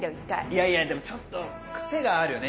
いやいやでもちょっとクセがあるよね